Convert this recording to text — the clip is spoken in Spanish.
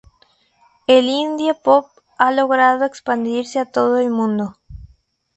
El indie pop ha logrado expandirse a todo el mundo.